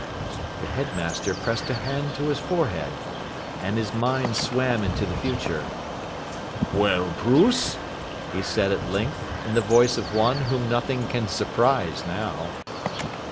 The headmaster pressed a hand to his forehead, and his mind swam into the future. "Well, Bruce?" he said at length, in the voice of one whom nothing can surprise now.